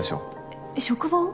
えっ職場を？